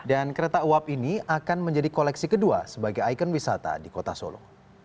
dan kereta uap ini akan menjadi koleksi kedua sebagai ikon wisata di kota solo